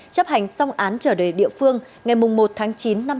chấp hành xong án trở về địa phương ngày một tháng chín năm hai nghìn hai mươi